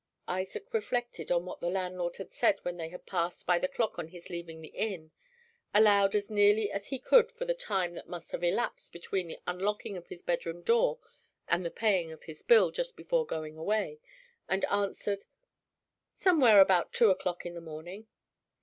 Isaac reflected on what the landlord had said when they had passed by the clock on his leaving the inn; allowed as nearly as he could for the time that must have elapsed between the unlocking of his bedroom door and the paying of his bill just before going away, and answered: "Somewhere about two o'clock in the morning."